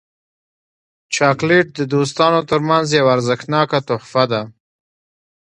چاکلېټ د دوستانو ترمنځ یو ارزښتناک تحفه ده.